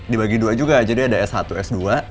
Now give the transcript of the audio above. dibagi dua juga jadi ada s satu s dua